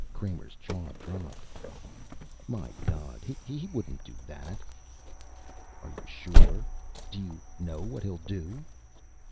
Kramer's jaw dropped. "My God, he wouldn't do that." "Are you sure? Do you know what he'll do?"